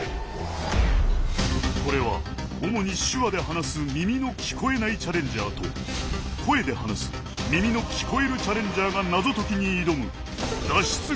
これは主に手話で話す耳の聞こえないチャレンジャーと声で話す耳の聞こえるチャレンジャーが謎解きに挑む脱出